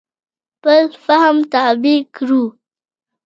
خپل فهم تابع کړو.